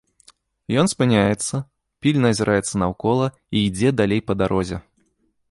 Ён спыняецца, пільна азіраецца наўкола і ідзе далей па дарозе.